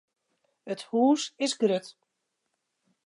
It hús is grut.